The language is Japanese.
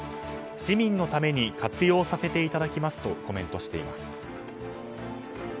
市民のために活用させていただきますとコメントしています。